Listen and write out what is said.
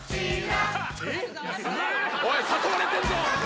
「ず」おい誘われてんぞ！